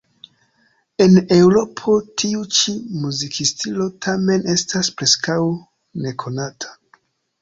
En Eŭropo tiu ĉi muzikstilo tamen estas preskaŭ nekonata.